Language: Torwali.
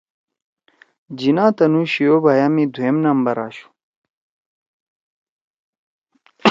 جناح تُنُو شی او بھیَا می دُھوئم نمبر آشُو